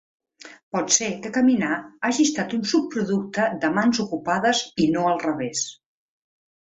Pot ser que caminar hagi estat un subproducte de mans ocupades i no al revés.